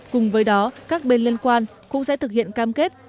cùng với đó các bên liên quan cũng sẽ thực hiện cam kết